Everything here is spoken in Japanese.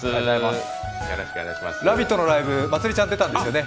「ラヴィット！」のライブまつりちゃん出たんですよね？